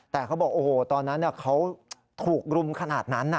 แต่เขาบอกโอ้โหตอนนั้นเขาถูกรุมขนาดนั้น